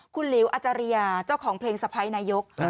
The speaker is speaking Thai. คุณหลิวอาจารยาเจ้าของเพลงสะพ้ายนายก